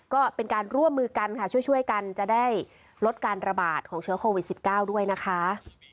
ก็เป็นการร่วมมือกันค่ะช่วยกันจะได้ลดการระบาดของเชื้อโควิด๑๙ด้วยนะคะ